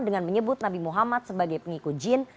dengan menyebut nabi muhammad sebagai pengikut jin